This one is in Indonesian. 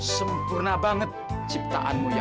sempurna banget ciptaanmu ya